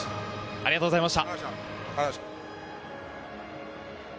ありがとうございます。